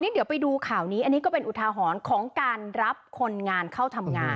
เดี๋ยวไปดูข่าวนี้อันนี้ก็เป็นอุทาหรณ์ของการรับคนงานเข้าทำงาน